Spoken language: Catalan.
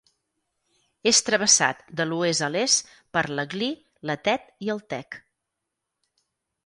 És travessat, de l'oest a l'est, per l'Aglí, la Tet i el Tec.